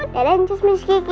dadahin cus miss kiki